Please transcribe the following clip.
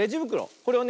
これをね